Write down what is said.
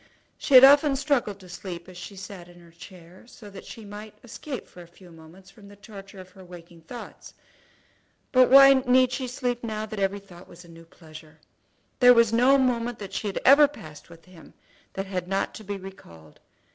She had often struggled to sleep as she sat in her chair, so that she might escape for a few moments from the torture of her waking thoughts. But why need she sleep now that every thought was a new pleasure? There was no moment that she had ever passed with him that had not to be recalled.